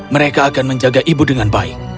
mereka akan menjaga ibu dengan baik